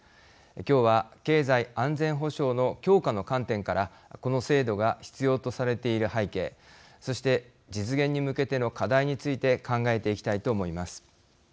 今日は経済安全保障の強化の観点からこの制度が必要とされている背景そして実現に向けての課題について考えていきたいと思います。